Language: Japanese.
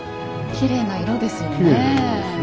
きれいな色ですね。